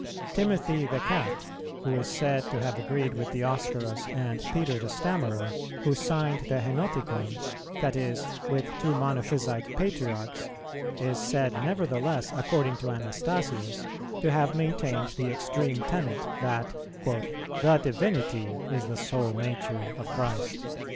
[315:2] Timothy the Cat, who is said to have agreed with Dioscorus and Peter the Stammerer, who signed the Henoticon, that is, with two Monophysite Patriarchs, is said nevertheless, according to Anastasius, to have maintained the extreme tenet, that "the Divinity is the sole nature of Christ."